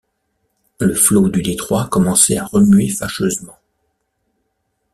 Le flot du détroit commençait à remuer fâcheusement.